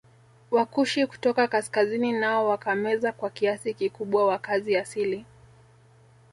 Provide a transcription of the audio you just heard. Wakushi kutoka kaskazini nao wakameza kwa kiasi kikubwa wakazi asili